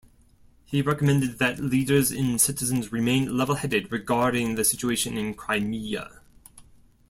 He recommended that leaders and citizens remain level headed regarding the situation in Crimea.